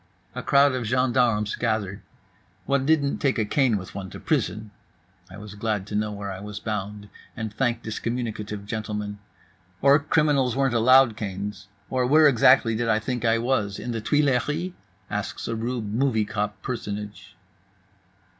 A crowd of gendarmes gathered. One didn't take a cane with one to prison (I was glad to know where I was bound, and thanked this communicative gentleman); or criminals weren't allowed canes; or where exactly did I think I was, in the Tuileries? asks a rube movie cop personage.